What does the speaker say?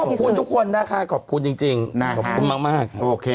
ขอบคุณทุกคนนะคะขอบคุณจริงมาก